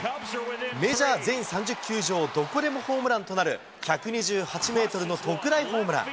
メジャー全３０球場、どこでもホームランとなる１２８メートルの特大ホームラン。